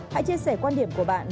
hãy chia sẻ quan điểm của bạn